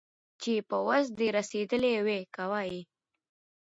چي په وس دي رسېدلي وي كوه يې